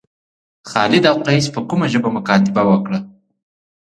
خالد او قیس په کومه ژبه مکاتبه وکړه.